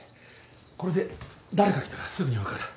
これで誰か来たらすぐに分かる。